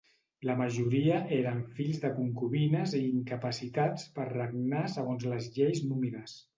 La majoria eren fills de concubines i incapacitats per regnar segons les lleis númides.